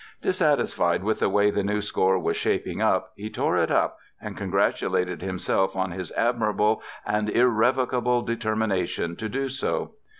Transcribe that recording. Dissatisfied with the way the new score was shaping up, he tore it up and congratulated himself on his "admirable and irrevocable determination" to do so.